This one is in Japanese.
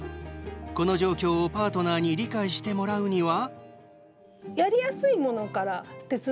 この状況をパートナーに理解してもらうには？